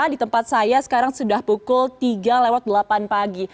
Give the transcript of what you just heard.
di tempat saya sekarang sudah pukul tiga lewat delapan pagi